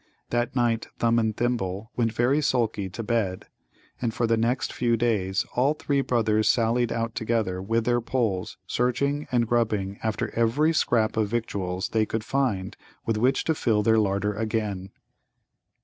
That night Thumb and Thimble went very sulky to bed. And for the next few days all three brothers sallied out together, with their poles, searching and grubbing after every scrap of victuals they could find with which to fill their larder again.